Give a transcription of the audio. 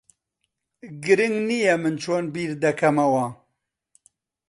گرنگ نییە من چۆن بیر دەکەمەوە.